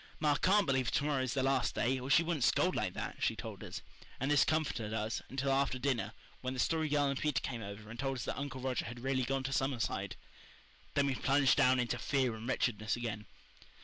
"Ma can't believe to morrow is the last day, or she wouldn't scold like that," she told us; and this comforted us until after dinner, when the Story Girl and Peter came over and told us that Uncle Roger had really gone to Summerside. Then we plunged down into fear and wretchedness again.